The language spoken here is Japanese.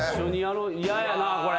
嫌やなこれ。